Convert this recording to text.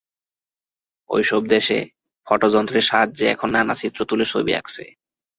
ঐ-সব দেশে ফটোযন্ত্রের সাহায্যে এখন নানা চিত্র তুলে ছবি আঁকছে।